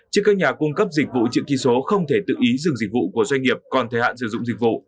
chứ các nhà cung cấp dịch vụ chữ ký số không thể tự ý dừng dịch vụ của doanh nghiệp còn thời hạn sử dụng dịch vụ